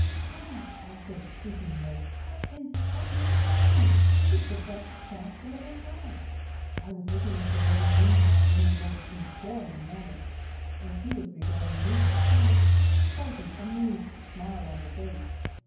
'John,' I said, speaking low, 'what in thunder do you mean? This is the best chance we'll ever have.' I was looking at the lady meanwhile in the most imploring manner, and she was regarding me with a kind of a pleasant, amused smile on her face.